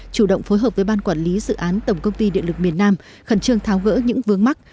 chủ động phối hợp với ban quản lý dự án tổng công ty điện lực miền nam khẩn trương tháo gỡ những vướng mắt